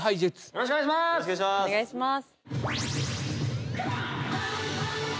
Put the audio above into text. よろしくお願いします